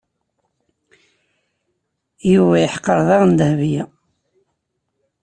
Yuba yeḥqer daɣen Dahbiya.